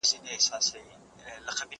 کېدای سي سبزیجات خراب وي!.